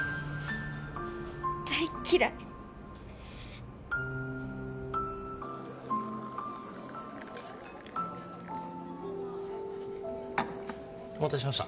大嫌い！お待たせしました。